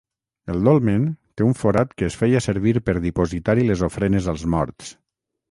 El dolmen té un forat que es feia servir per dipositar-hi les ofrenes als morts.